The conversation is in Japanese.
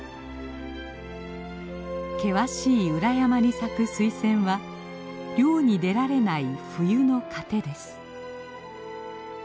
険しい裏山に咲くスイセンは漁に出られない冬の糧です。